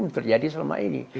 itu terjadi selama ini